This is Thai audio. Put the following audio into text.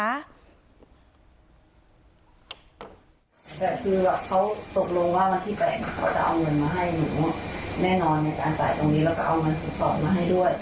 แต่คือเขาตกลงว่าวันที่๘เขาจะเอาเงินมาให้หนูแน่นอนในการจ่ายตรงนี้แล้วก็เอาเงิน๑๒มาให้ด้วย